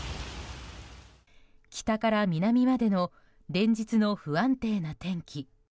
北から南までの連日の不安定な天気。